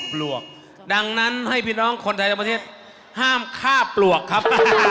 ปลวกดังนั้นให้พี่น้องคนไทยทั้งประเทศห้ามฆ่าปลวกครับ